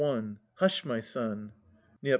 Hush, my son ! Neo.